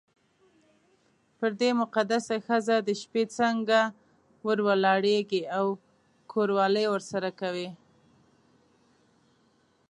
پر دې مقدسه ښځه د شپې څنګه ور ولاړېږې او کوروالی ورسره کوې.